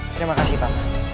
terima kasih paman